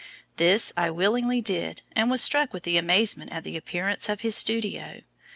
This I willingly did, and was struck with amazement at the appearance of his studio.